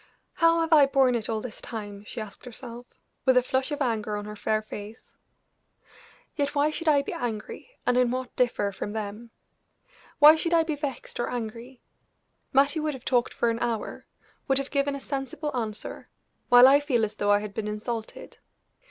"How have I borne it all this time?" she asked herself, with a flush of anger on her fair face. "Yet, why should I be angry, and in what differ from them? Why should I be vexed or angry? Mattie would have talked for an hour would have given a sensible answer, while I feel as though I had been insulted.